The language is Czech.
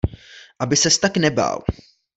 Aby ses tak nebál.